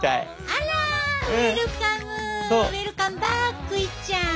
あらウエルカムウエルカムバックいっちゃん。